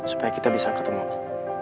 supaya kita bisa ketemu